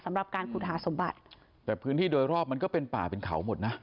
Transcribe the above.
สำหรับการขุดหาสมบัติแต่พื้นที่โดยรอบมันก็เป็นป่าเป็นเขาหมดนะ